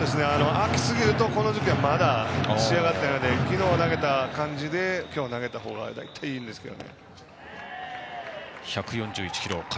空きすぎると、この時期はまだ仕上がってないので昨日投げた感じで今日投げた方がいいんですけど。